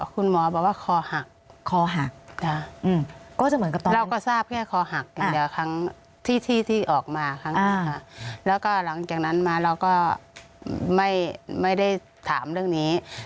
คุณหมอบอกว่าคอหักคอหักก็จะเหมือนกับเราก็ทราบแค่คอหักอย่างเดียวที่ที่ที่ออกมาแล้วก็หลังจากนั้นมาแล้วก็ไม่ไม่ได้ถามเรื่องนี้นะครับ